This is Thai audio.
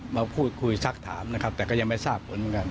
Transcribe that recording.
มาพูดคุยสักถามนะครับแต่ก็ยังไม่ทราบผลเหมือนกัน